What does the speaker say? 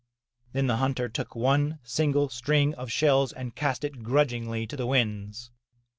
Then the hunter took one single string of shells and cast it grudgingly to the winds.